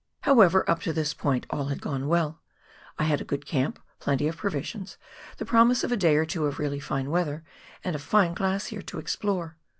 However, up to this point all had gone well ; I had a good camp, plenty of provisions, the promise of a day or two of really fine weather, and a fine glacier to explore.